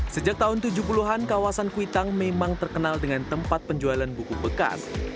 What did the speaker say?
sejak tahun tujuh puluh an kawasan kuitang memang terkenal dengan tempat penjualan buku bekas